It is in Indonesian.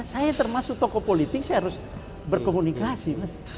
saya termasuk tokoh politik saya harus berkomunikasi